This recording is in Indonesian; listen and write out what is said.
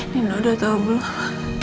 nino udah tau belum